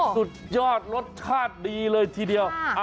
สุดยอดรสชาติดีเลยทีเดียว